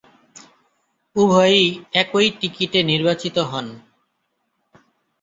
উভয়ই একই টিকিটে নির্বাচিত হন।